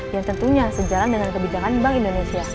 yang tentunya sejalan dengan kebijakan bank indonesia